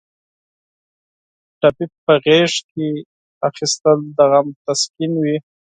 ټپي په غېږ کې اخیستل د غم تسکین وي.